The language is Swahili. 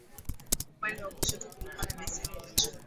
Upande wa kushoto kulikuwa na beseni la chuma